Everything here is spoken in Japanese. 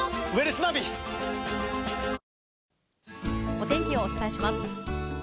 お天気をお伝えします。